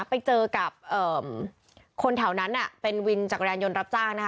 ไปเจอกับเอ่อคนแถวนั้นน่ะเป็นวินจากแรงยนต์รับจ้างนะคะ